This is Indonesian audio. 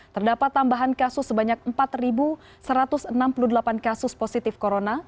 terdapat tambahan kasus sebanyak empat satu ratus enam puluh delapan kasus positif corona